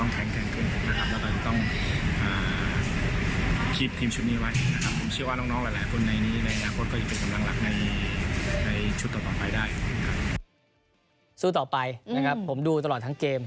ในในชุดต่อต่อไปได้สู้ต่อไปนะครับผมดูตลอดทั้งเกม